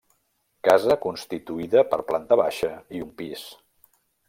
Casa constituïda per planta baixa i un pis.